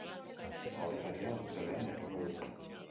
Aurkaria ostiralean jakingo dute.